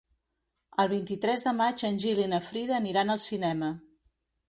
El vint-i-tres de maig en Gil i na Frida aniran al cinema.